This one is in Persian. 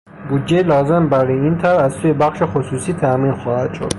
بودجهی لازم برای این طرح از سوی بخش خصوصی تامین خواهد شد.